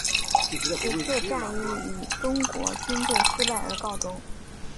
此次战役以中国军队失败而告终。